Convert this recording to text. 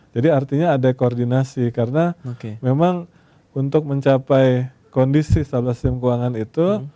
jadi artinya ada koordinasi karena memang untuk mencapai kondisi stabilisasi sistem keuangan itu